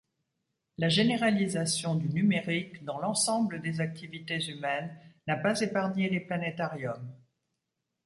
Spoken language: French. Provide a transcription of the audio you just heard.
La généralisation du numérique dans l'ensemble des activités humaines n'a pas épargné les planétariums.